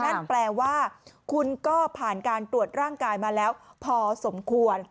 นั่นแปลว่าคุณก็ผ่านการตรวจร่างกายมาแล้วพอสมควร